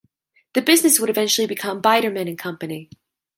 This business would eventually become Biederman and Company.